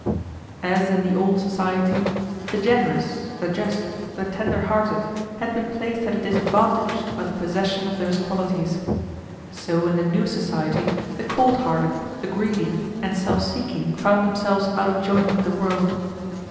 "As in the old society the generous, the just, the tender hearted had been placed at a disadvantage by the possession of those qualities; so in the new society the cold hearted, the greedy, and self seeking found themselves out of joint with the world.